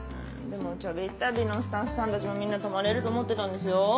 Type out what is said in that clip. でも「ちょびっ旅」のスタッフさんたちもみんな泊まれると思ってたんですよ。